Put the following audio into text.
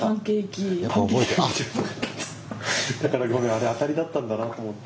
だからごめんあれ当たりだったんだなと思って。